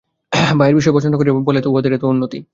ভাইয়ের বিষয় বঞ্চনা করিয়া লইয়াই তো উহাদের এত উন্নতি।